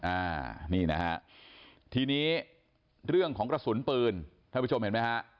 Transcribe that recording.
อ่านี่นะฮะทีนี้เรื่องของกระสุนปืนท่านผู้ชมเห็นไหมฮะ